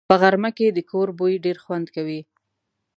په غرمه کې د کور بوی ډېر خوند کوي